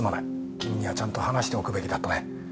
君にはちゃんと話しておくべきだったね。